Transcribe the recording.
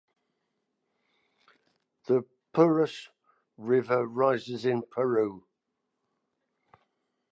The Purus River rises in Peru.